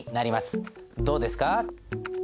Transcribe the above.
どうですか？